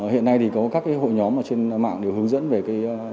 hiện nay thì có các hội nhóm trên mạng đều hướng dẫn về thủ đoạn hành vi